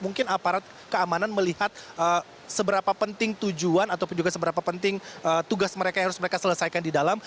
mungkin aparat keamanan melihat seberapa penting tujuan ataupun juga seberapa penting tugas mereka yang harus mereka selesaikan di dalam